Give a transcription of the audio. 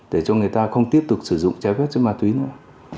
để cho người ta không tiếp tục sử dụng trái phép chất ma túy nữa